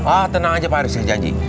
ah tenang aja pak aris saya janji